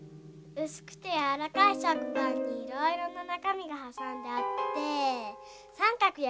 うすくてやわらかいしょくパンにいろいろななかみがはさんであってさんかくやしかくいかたちをしてる。